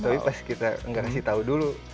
tapi pas kita nggak kasih tahu dulu